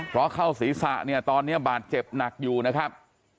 เพราะเข้าศีรษะเนี่ยตอนนี้บาดเจ็บหนักอยู่นะครับ